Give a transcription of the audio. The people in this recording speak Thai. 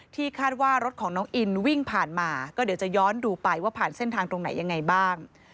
คาดว่ารถของน้องอินวิ่งผ่านมาก็เดี๋ยวจะย้อนดูไปว่าผ่านเส้นทางตรงไหนยังไงบ้าง